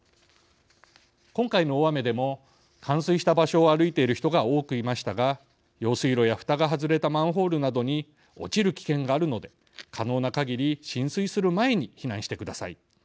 今回の大雨でも冠水した場所を歩いている人が多くいましたが用水路やふたが外れたマンホールなどに落ちる危険があるので可能な限り浸水する前に避難してください。